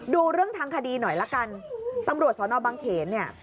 ดูเรื่องทางคดีหน่อยละกันตำรวจสอนอบังเขนเนี่ย